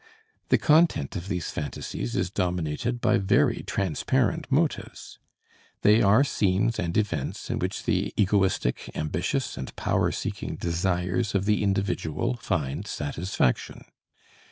The content of these phantasies is dominated by very transparent motives. They are scenes and events in which the egoistic, ambitious and power seeking desires of the individual find satisfaction.